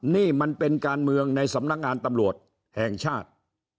นี่มันเป็นการเมืองในสำนักงานตำรวจแห่งชาติ